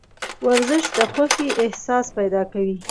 ورزش د خوښې احساس پیدا کوي.